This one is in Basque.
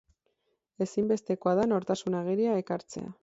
Ezinbestekoa da nortasun agiria ekartzea.